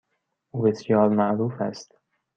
او بسیار معروف است.